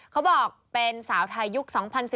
เขาบอกเป็นสาวไทยยุค๒๐๑๘